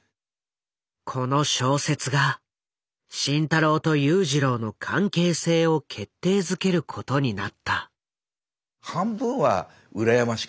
この小説が慎太郎と裕次郎の関係性を決定づけることになった。